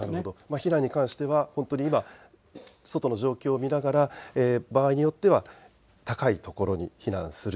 避難に関しては本当に今、外の状況を見ながら場合によっては高い所に避難する。